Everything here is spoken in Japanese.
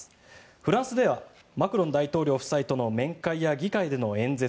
フランスではマクロン大統領夫妻との面会や議会での演説